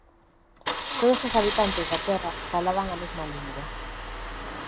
Todos os habitantes da Terra falaban a mesma lingua.